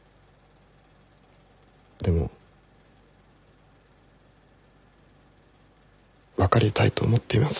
でも分かりたいと思っています。